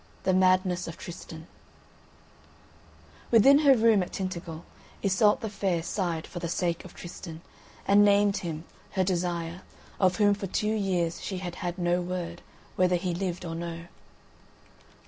THE MADNESS OF TRISTAN Within her room at Tintagel, Iseult the Fair sighed for the sake of Tristan, and named him, her desire, of whom for two years she had had no word, whether he lived or no.